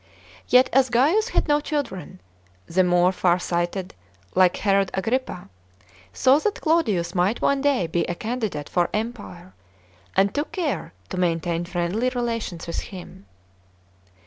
Yet, as Gaius had no children, the more farsighted, like Herod Agrippa, saw that Claudius might one day be a candidate for empire, and took care to maintain friendly relations with him.